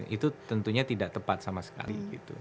itu tentunya tidak tepat sama sekali